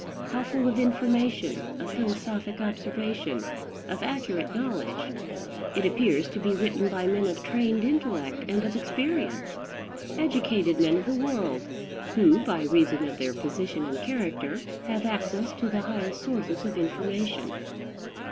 How full of information, of philosophic observation, of accurate knowledge! It appears to be written by men of trained intellect and of experience, educated men of the world, who, by reason of their position and character, have access to the highest sources of information.